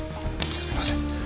すみません。